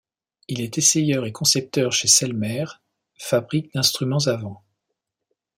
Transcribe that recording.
Il est essayeur et concepteur chez Selmer, fabrique d'instruments à vent.